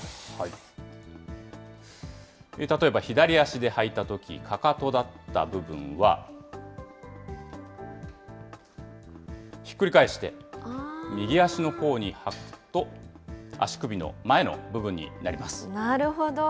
例えば左足で履いたとき、かかとだった部分は、ひっくり返して、右足の甲に履くと、足首の前の部分になります。